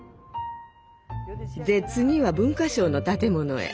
で次は文化省の建物へ。